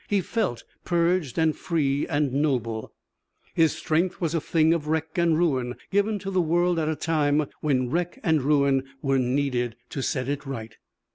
He felt purged and free and noble. His strength was a thing of wreck and ruin, given to the world at a time when wreck and ruin were needed to set it right.